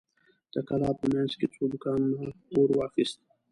د کلا په مينځ کې څو دوکانونو اور واخيست.